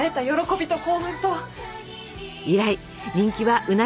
以来人気はうなぎ登り。